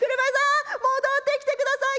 戻ってきてください